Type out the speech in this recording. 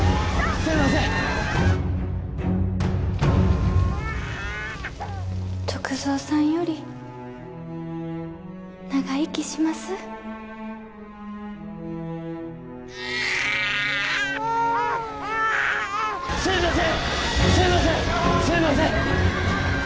すいませんすいません！